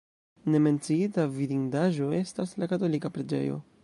Ne menciita vidindaĵo estas la katolika preĝejo.